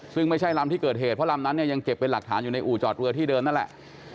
ซึ่งไม่ใช่ลำที่เกิดเหตุเพราะลำนั้นเนี่ยยังเก็บเป็นหลักฐานอยู่ในอู่จอดเรือที่เดิมนั่นแหละ